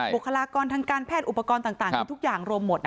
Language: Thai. บุคลากรทางการแพทย์อุปกรณ์ต่างคือทุกอย่างรวมหมด